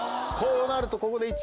こうなると。